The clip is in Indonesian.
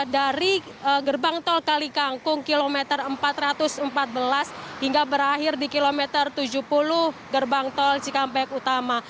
dari gerbang tol kalikangkung kilometer empat ratus empat belas hingga berakhir di kilometer tujuh puluh gerbang tol cikampek utama